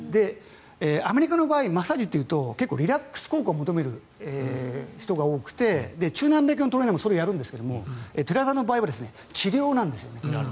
アメリカの場合マッサージというとリラックス効果を求める人が多くて中南米系のトレーナーもそれをやるんですが寺田さんの場合は治療なんですよね。